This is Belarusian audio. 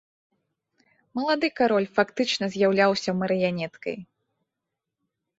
Малады кароль фактычна з'яўляўся марыянеткай.